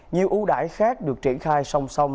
nhiều ưu đại khác được triển khai song song